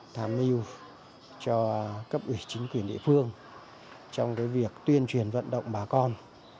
tham mưu cho cấp ủy chính quyền địa phương trong việc tuyên truyền vận động bà con